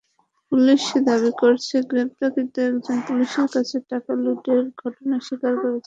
Police দাবি করেছে, গ্রেপ্তারকৃত একজন পুলিশের কাছে টাকা লুটের ঘটনা স্বীকার করেছেন।